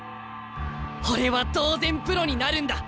俺は当然プロになるんだ。